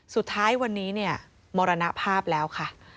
สุดท้ายวันนี้เนี่ยมรณภาพแล้วค่ะ